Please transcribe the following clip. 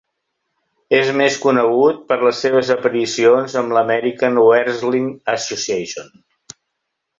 És més conegut per les seves aparicions amb l'American Wrestling Association.